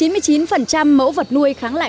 chín mươi chín mẫu vật nuôi kháng lại